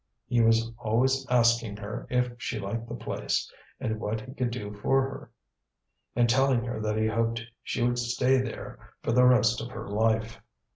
He was always asking her if she liked the place and what he could do for her, and telling her that he hoped she would stay there for the rest of her life.